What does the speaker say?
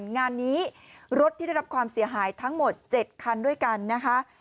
งานนี้รถที่ได้รับความเสียหายทั้งหมด๗คันด้วยกันนะคะ